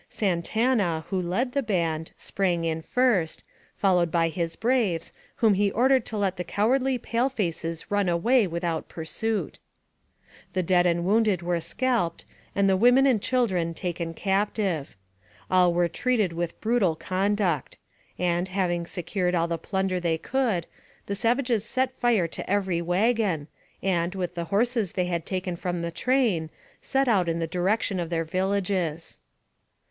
Santana, who led the band, sprang in first, followed by his braves, whom he ordered to let the cowardly pale faces run away without pursuit. The dead and wounded were scalped, and the women and children taken captive. All were treated with brutal conduct; and, having secured all the plunder they could, the savages set fire to every wagon, and, with the horses they had taken from the train, set out in the direction of their villages.